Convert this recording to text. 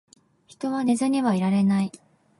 人は寝ずにはいられない